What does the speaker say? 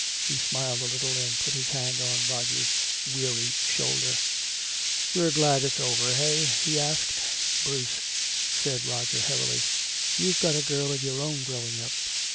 He smiled a little and put his hand on Roger's weary shoulder. "We're glad it's over eh?" he asked. "Bruce," said Roger heavily, "you've got a girl of your own growing up.